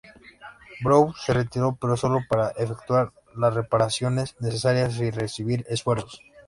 Brown se retiró pero solo para efectuar las reparaciones necesarias y recibir refuerzos.